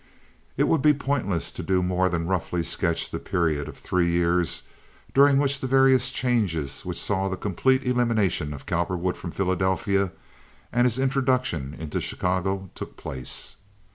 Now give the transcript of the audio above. It would be pointless to do more than roughly sketch the period of three years during which the various changes which saw the complete elimination of Cowperwood from Philadelphia and his introduction into Chicago took place.